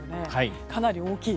かなり大きい。